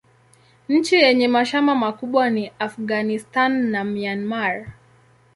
Nchi yenye mashamba makubwa ni Afghanistan na Myanmar.